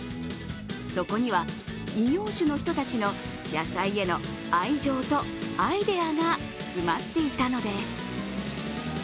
そこには異業種の人たちの野菜への愛情とアイデアが詰まっていたのです。